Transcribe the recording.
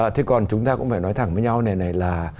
thế còn chúng ta cũng phải nói thẳng với nhau này là